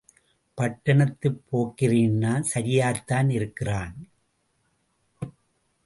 பட்டணத்துப் போக்கிரின்னா சரியாய்த்தான் இருக்கிறான்...!